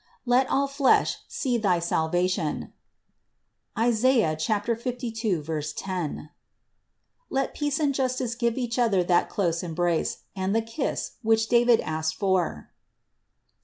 Let all flesh see thy salvation (Is. 52, 10) ; let peace and justice give each other that close embrace and the kiss, which David asked for (Ps.